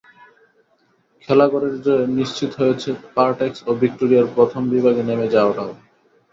খেলাঘরের জয়ে নিশ্চিত হয়েছে পারটেক্স ও ভিক্টোরিয়ার প্রথম বিভাগে নেমে যাওয়াটাও।